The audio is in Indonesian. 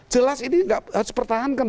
jelas ini tidak harus dipertahankan